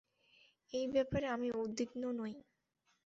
এই ব্যাপারে আমি উদ্বিগ্ন নই।